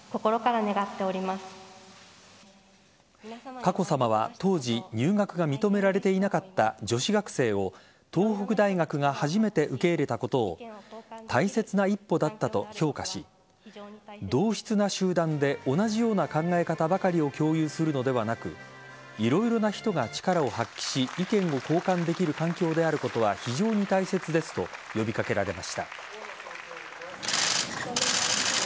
佳子さまは、当時入学が認められていなかった女子学生を東北大学が初めて受け入れたことを大切な１歩だったと評価し同質な集団で同じような考え方ばかりを共有するのではなく色々な人が力を発揮し意見を交換できる環境であることは非常に大切ですと呼び掛けられました。